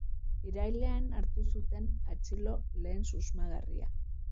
Irailean hartu zuten atxilo lehen susmagarria.